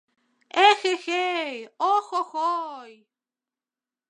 Эхе-хей, охо-хой!